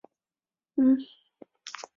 清朝曾在寺旁建有隆福寺行宫。